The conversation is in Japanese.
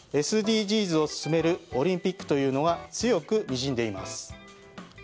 ＳＤＧｓを進めるオリンピックというのが強くにじんでいます。